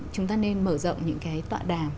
chúng ta nên mở rộng những cái tọa đàm